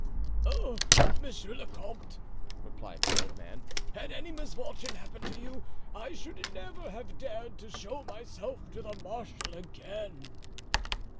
"Oh, monsieur le comte," replied the old man, "had any misfortune happened to you, I should never have dared to show myself to the marshal again."